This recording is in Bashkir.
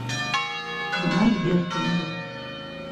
Бына йыр тынды.